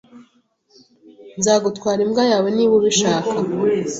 Nzagutwara imbwa yawe niba ubishaka.